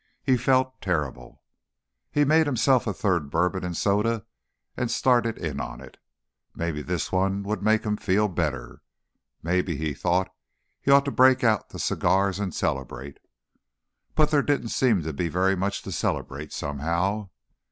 He felt terrible. He made himself a third bourbon and soda and started in on it. Maybe this one would make him feel better. Maybe, he thought, he ought to break out the cigars and celebrate. But there didn't seem to be very much to celebrate, somehow.